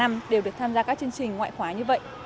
cả năm đều được tham gia các chương trình ngoại khóa như vậy